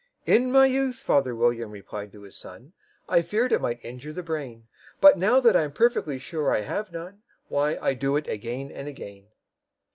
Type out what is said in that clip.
"In my youth," father William replied to his son, "I feared it might injure the brain; But, now that I'm perfectly sure I have none, Why, I do it again and again."